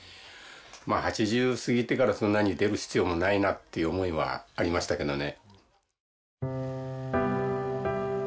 ８０過ぎてからそんなに出る必要もないなっていう思いはありましたけどね。